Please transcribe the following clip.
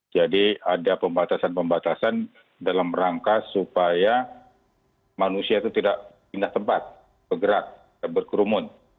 jadi ada pembatasan pembatasan dalam rangka supaya manusia itu tidak pindah tempat bergerak berkerumun